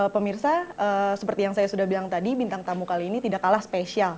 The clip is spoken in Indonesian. pemirsa seperti yang saya sudah bilang tadi bintang tamu kali ini tidak kalah spesial